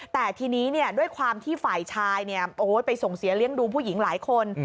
แต่ทีนี้ด้วยความที่ฝ่ายชายไปส่งเสียเลี้ยงดูผู้หญิงหลายคน